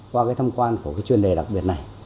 qua cái tham quan của cái chuyên đề đặc biệt này